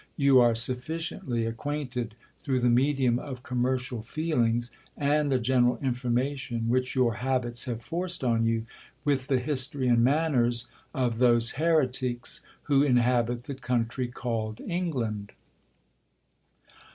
You are sufficiently acquainted, through the medium of commercial feelings, and the general information which your habits have forced on you, with the history and manners of those heretics who inhabit the country called England.'